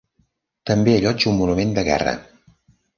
També allotja un monument de guerra.